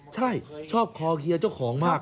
ใช่ชอบคอเฮียเจ้าของมาก